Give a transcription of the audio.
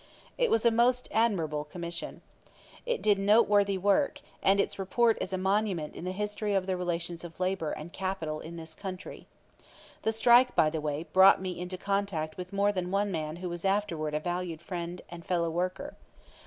It was a most admirable Commission. It did a noteworthy work, and its report is a monument in the history of the relations of labor and capital in this country. The strike, by the way, brought me into contact with more than one man who was afterward a valued friend and fellow worker.